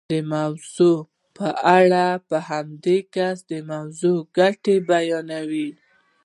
د موضوع په اړه په همدې کس د موضوع ګټې بیانوئ.